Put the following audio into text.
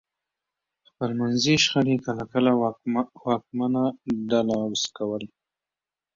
خپلمنځي شخړې کله کله واکمنه ډله عوض کوله